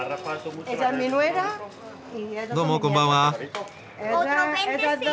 どうもこんばんは！